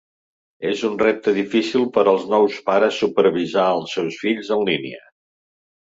És un repte difícil per als nous pares supervisar els seus fills en línia.